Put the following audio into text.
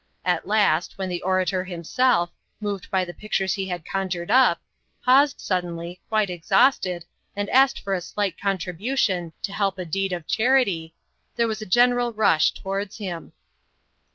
At last, when the orator himself, moved by the pictures he had conjured up, paused suddenly, quite exhausted, and asked for a slight contribution "to help a deed of charity," there was a general rush towards him.